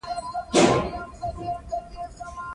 شف شف مه کوه شفتالو ووایه د سپینې خبرې غوښتنه کوي